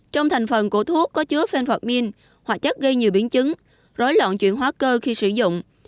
trong thành phần của thuốc có chứa phenphortmin hoạt chất gây nhiều biến chứng rối loạn chuyển hóa cơ khi sử dụng